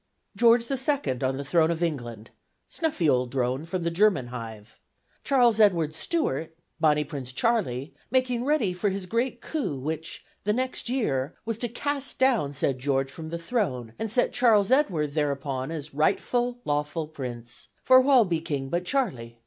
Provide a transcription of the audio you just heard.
George the Second on the throne of England, "snuffy old drone from the German hive"; Charles Edward Stuart ("bonnie Prince Charlie") making ready for his great coup which, the next year, was to cast down said George from the throne and set Charles Edward thereupon as "rightful, lawful prince for wha'll be king but Charlie?"